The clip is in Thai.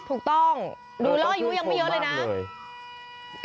ถูกต้องดูแล้วอายุยังไม่เยอะเลยนะ